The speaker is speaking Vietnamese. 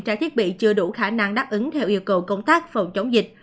trang thiết bị chưa đủ khả năng đáp ứng theo yêu cầu công tác phòng chống dịch